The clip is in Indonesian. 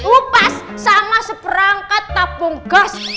upas sama seperangkat tabung gas